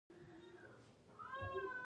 په سږني اوړي کې هوا ډېره تاوجنه وه